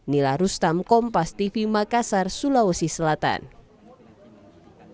proses penyidikan lebih lanjut